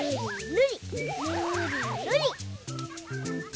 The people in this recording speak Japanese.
ぬりぬり。